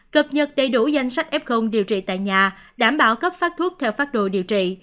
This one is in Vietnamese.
cập nhật đầy đủ danh sách f điều trị tại nhà đảm bảo cấp phát thuốc theo phát đồ điều trị